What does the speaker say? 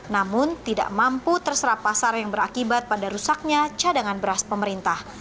namun tidak mampu terserap pasar yang berakibat pada rusaknya cadangan beras pemerintah